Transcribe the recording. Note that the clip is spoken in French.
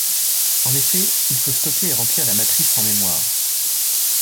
En effet, il faut stocker et remplir la matrice en mémoire.